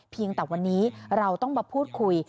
แต่วันนี้เราต้องมาพูดคุย